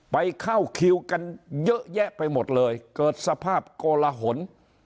ไปเข้าคิวกันเยอะแยะไปหมดเลยเกิดสภาพโกลหน